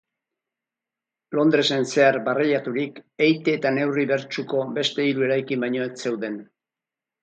Londresen zehar barreiaturik eite eta neurri bertsuko beste hiru eraikin baino ez zeuden.